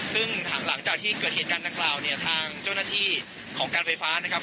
ซึ่งหลังจากที่เกิดเหตุการณ์ได้เท่าแล้วทางเจ้าหน้าที่ของการไฟฟ้าเนี่ย